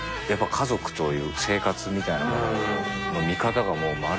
家族という生活みたいなものの見方がもうまるで。